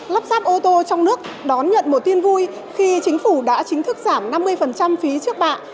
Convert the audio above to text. lắp ráp ô tô trong nước đón nhận một tin vui khi chính phủ đã chính thức giảm năm mươi phí trước bạ